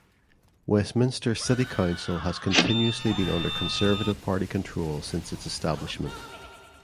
Westminster City Council has continuously been under Conservative Party control since its establishment.